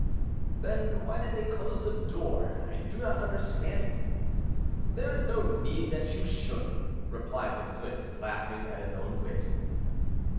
"Then why do they close the door. I do not understand it." "There is no need that you should," replied the Swiss, laughing at his own wit.